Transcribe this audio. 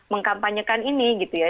mengkampanyekan ini gitu ya